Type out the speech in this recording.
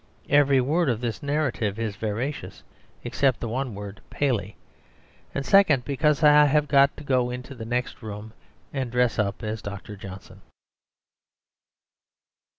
Every word of this narrative is veracious, except the one word Paley. And second, because I have got to go into the next room and dress up as Dr. Johnson.